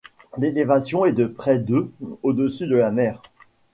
L'élévation est de près de au-dessus de la mer.